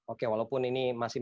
oke walaupun ini masih